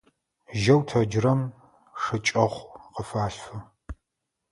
Жьэу тэджырэм шыкӀэхъу къыфалъфы.